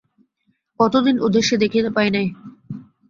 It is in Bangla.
কতদিন ওদের সে দেখিতে পায় নাই।